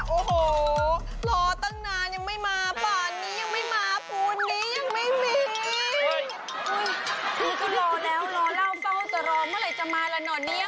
อุ๊ยนี่ก็รอแล้วรอเล่าเฝ้าแต่รอเมื่อไหร่จะมาแล้วหน่อยเนี่ย